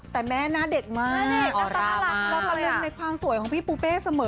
แต่แม่หน้าเด็กมากหน้าตาอร่างมากแล้วก็เริ่มในความสวยของพี่ปูเป้เสมอ